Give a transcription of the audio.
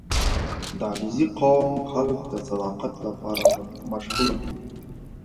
• د علیزي قوم خلک د صداقت لپاره مشهور دي.